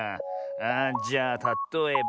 あじゃあたとえば。